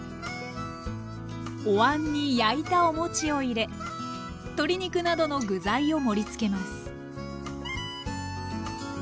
おわんに焼いたお餅を入れ鶏肉などの具材を盛りつけます